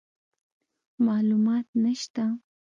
معلومات نشته،